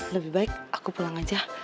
lebih baik aku pulang aja